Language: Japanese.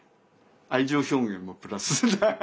愛情表現をプラス。